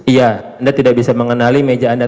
iya anda tidak bisa mengenali meja anda